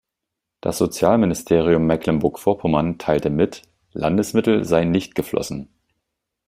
Das Sozialministerium Mecklenburg-Vorpommern teilte mit, Landesmittel seien nicht geflossen.